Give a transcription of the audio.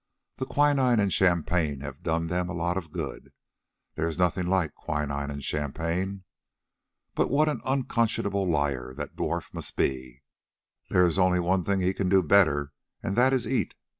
"The quinine and champagne have done them a lot of good: there is nothing like quinine and champagne. But what an unconscionable liar that dwarf must be! There is only one thing he can do better, and that is eat.